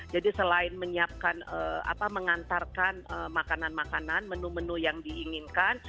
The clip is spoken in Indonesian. jadi selain mengantarkan makanan makanan menu menu yang diinginkan